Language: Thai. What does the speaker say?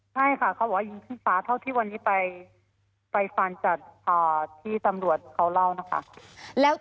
ใช่ค่ะเขาบอกว่ายิงขึ้นฟ้าเท่าที่วันนี้ไปฟันจากที่ตำรวจเขาเล่านะคะ